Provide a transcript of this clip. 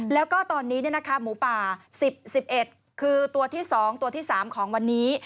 แล้วก็ตอนนี้หมูป่า๑๑คือตัวที่๒ตัวที่๓ของวันนี้